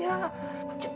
mas ramli adalah suamiku